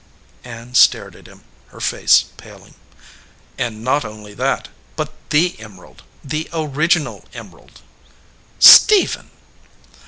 Ann stared at him, her face paling. "And not only that, but the emerald, the origi nal emerald." "Stephen!"